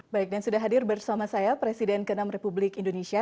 baik dan sudah hadir bersama saya presiden ke enam republik indonesia